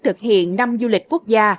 thực hiện năm du lịch quốc gia